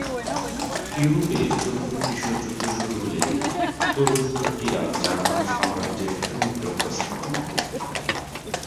ইউরোপে প্রথম বিশ্বযুদ্ধ শুরু হলে তরুণ তুর্কিরা জার্মান সাম্রাজ্যের সাথে মিত্রতা স্থাপন করে।